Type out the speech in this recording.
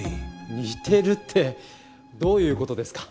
似てるってどういうことですか？